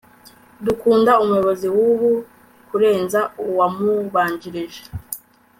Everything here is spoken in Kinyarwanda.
dukunda umuyobozi wubu kurenza uwamubanjirije